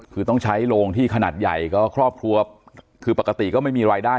คือต้องใช้โรงที่ขนาดใหญ่ก็ครอบครัวคือปกติก็ไม่มีรายได้